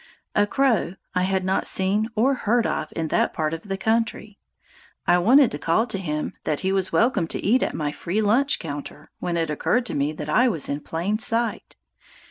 A crow I had not seen or heard of in that part of the country. I wanted to call to him that he was welcome to eat at my free lunch counter, when it occurred to me that I was in plain sight.